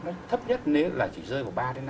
nó thấp nhất nếu chỉ rơi ba năm